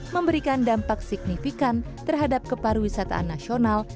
memberikan dampak signifikan terhadap keparwisataan nasional